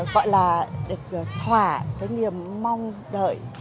gọi là được thỏa tới niềm mong đợi